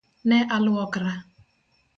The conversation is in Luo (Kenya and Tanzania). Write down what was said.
Ne aluokora.